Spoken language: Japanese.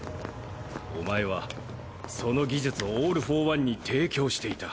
おまえはその技術をオール・フォー・ワンに提供していた。